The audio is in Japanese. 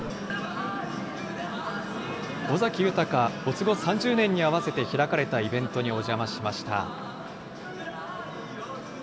尾崎豊、没後３０年に合わせて開かれたイベントにお邪魔しました。